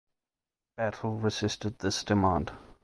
Battle resisted this demand.